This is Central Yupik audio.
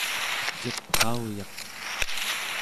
ciqauyaq